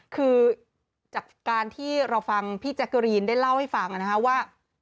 คือจากการที่เราฟังพี่แจ๊กเกอรีนได้เล่าให้ฟังนะครับว่า